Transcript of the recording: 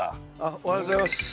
おはようございます。